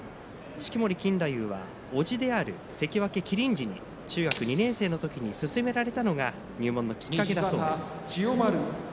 錦太夫は、おじである関脇麒麟児に中学２年の時に勧められたのが入門のきっかけだそうです。